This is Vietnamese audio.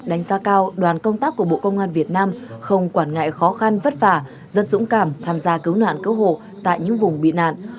đánh giá cao đoàn công tác của bộ công an việt nam không quản ngại khó khăn vất vả rất dũng cảm tham gia cứu nạn cứu hộ tại những vùng bị nạn